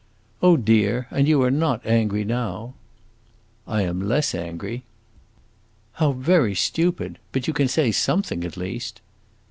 "Oh, dear, and you are not angry now?" "I am less angry." "How very stupid! But you can say something at least."